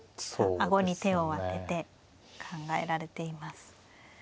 顎に手を当てて考えられています。